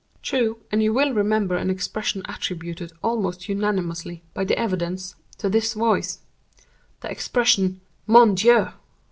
"True; and you will remember an expression attributed almost unanimously, by the evidence, to this voice,—the expression, '_mon Dieu!